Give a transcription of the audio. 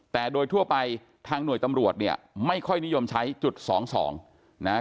แต่โดยทั่วไปทางหน่วยตำรวจเนี่ยไม่ค่อยนิยมใช้จุดสองสองนะฮะ